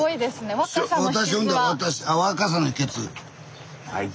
若さの秘けつ。